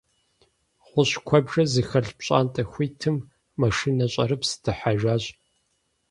ГъущӀ куэбжэ зыхэлъ пщӀантӀэ хуитым машинэ щӀэрыпс дыхьэжащ.